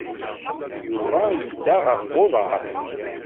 Yuba yedda ɣef uḍaṛ.